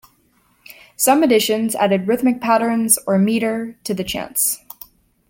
Some editions added rhythmic patterns, or meter, to the chants.